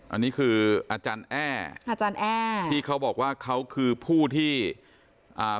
อันนี้คืออาจารย์แอ้อาจารย์แอ้ที่เขาบอกว่าเขาคือผู้ที่อ่า